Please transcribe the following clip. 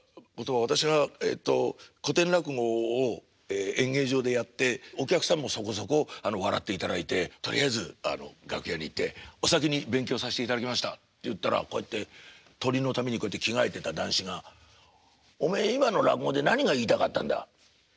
私がえっと古典落語を演芸場でやってお客さんもそこそこ笑っていただいてとりあえず楽屋に行って「お先に勉強さしていただきました」って言ったらこうやってトリのために着替えてた談志が「おめえ今の落語で何が言いたかったんだ？」。